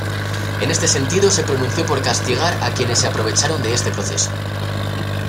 En este sentido se pronunció por castigar a quienes se aprovecharon de este proceso.